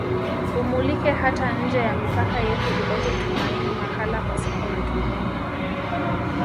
Umulike hata nje ya mipaka yetu ulete tumaini mahala pasipo na tumaini